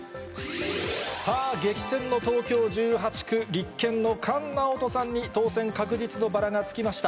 さあ、激戦の東京１８区、立憲の菅直人さんに当選確実のバラがつきました。